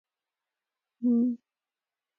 تیودوروس د دولت م وډرنیزه کول پیل کړل.